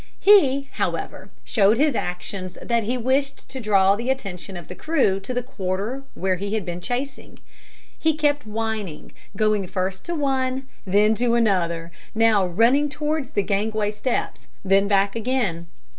He, however, showed by his actions that he wished to draw the attention of the crew to the quarter where he had been chasing. He kept whining, going first to one, then to another, now running towards the gangway steps, then back again.